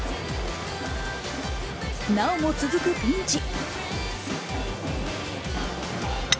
なおも続くピンチ。